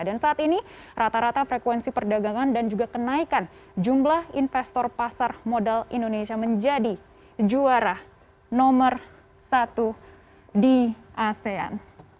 dan saat ini rata rata frekuensi perdagangan dan juga kenaikan jumlah investor pasar modal indonesia menjadi juara nomor satu di asean